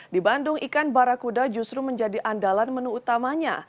di bandung ikan barakuda justru menjadi andalan menu utamanya